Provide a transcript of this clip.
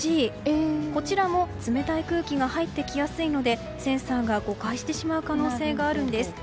こちらも冷たい空気が入ってきやすいのでセンサーが誤解してしまう可能性があるんです。